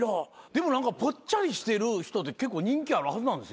でも何かぽっちゃりしてる人って結構人気あるはずなんですよ。